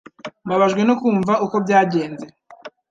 Mbabajwe no kumva uko byagenze